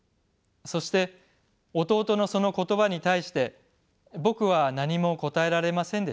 そして弟のその言葉に対して僕は何も答えられませんでした。